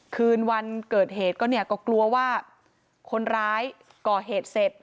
คืนวันเกิดเหตุก็เนี่ยก็กลัวว่าคนร้ายก่อเหตุเสร็จ